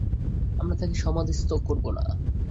আমরা তাকে সমাধিস্থ করব না।